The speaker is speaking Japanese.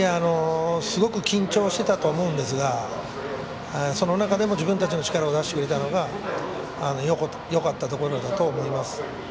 すごく緊張してたと思うんですがその中でも自分たちの力を出してくれたのがよかったところだと思います。